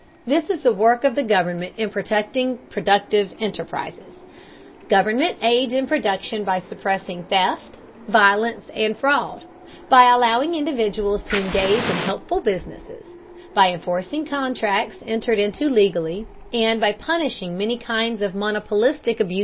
This is the work of the government in protecting productive enterprises. Government aids in production by suppressing theft, violence, and fraud; by allowing individuals to engage in helpful businesses; by enforcing contracts entered into legally; and by punishing many kinds of monopolistic abuses.